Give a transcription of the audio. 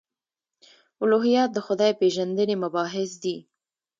الهیات د خدای پېژندنې مباحث دي.